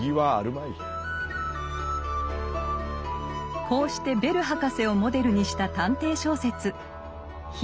こうしてベル博士をモデルにした探偵小説「緋色の研究」を発表。